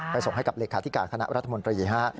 ไปส่งให้กับเลขาที่กาขณะรัฐมนตรี